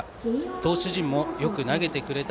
投手陣もよく投げてくれた。